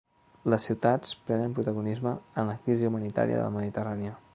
Les ciutats prenen protagonisme en la crisi humanitària de la Mediterrània